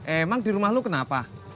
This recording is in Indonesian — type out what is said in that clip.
emang di rumah lo kenapa